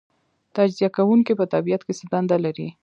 تجزیه کوونکي په طبیعت کې څه دنده لري